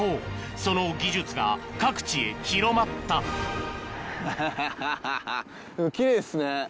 その技術が各地へ広まったハハハハでも奇麗ですね。